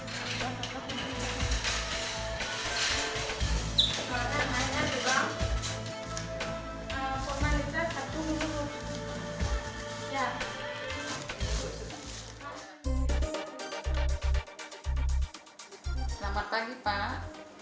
selamat pagi pak